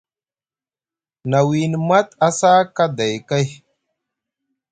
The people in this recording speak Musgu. Na wiini Mat a sa kaday kay.